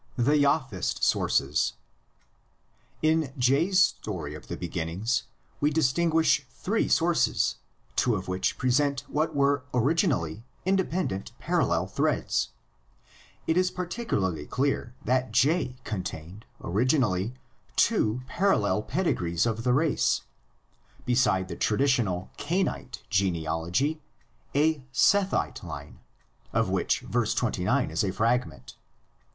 THE JAHVIST'S SOURCES. In J's story of the beginnings we distinguish three sources, two of which present what were originally independent parallel threads. It is particularly clear that J contained originally two parallel pedi grees of the race: beside the traditional Cainite genealogy, a Sethite line, of which v. 29 is a frag ment.